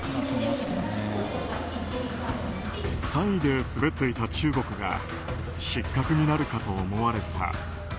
３位で滑っていた中国が失格になるかと思われた。